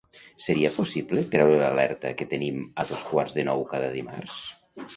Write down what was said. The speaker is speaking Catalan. Seria possible treure l'alerta que tenim a dos quarts de nou cada dimarts?